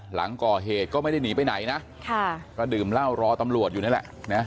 หลังก่อเหตุก็ไม่ได้หนีไปไหนนะก็ดื่มเหล้ารอตำรวจอยู่นี่แหละนะ